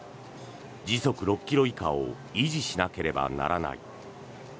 時速６ｋｍ以下を維持しなければならない。